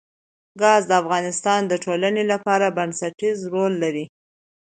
ګاز د افغانستان د ټولنې لپاره بنسټيز رول لري.